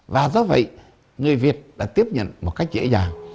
và do vậy người việt đã tiếp nhận một cách dễ dàng